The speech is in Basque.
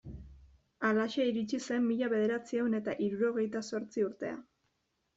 Halaxe iritsi zen mila bederatziehun eta hirurogeita zortzi urtea.